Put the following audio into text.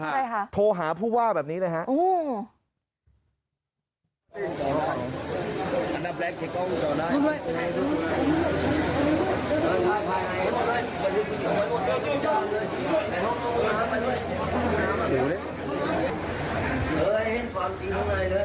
อะไรค่ะโทรหาผู้ว่าแบบนี้นะครับโอ้โห